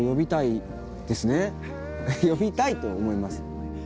呼びたいと思います。